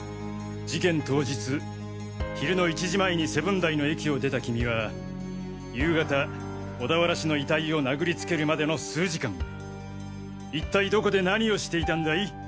事件当日昼の１時前に瀬分台の駅を出たキミは夕方小田原氏の遺体を殴りつけるまでの数時間一体どこで何をしていたんだい？